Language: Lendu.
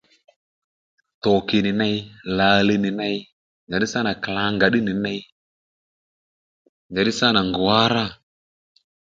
Tòkì nì ney lǎliy nì ney njàddí sâ nà kàlangà ddí nì ney njàddí sâ nà ngǔwárá